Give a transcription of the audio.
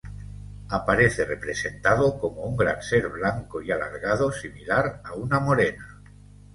Aparece representado como un gran ser blanco y alargado similar a una morena.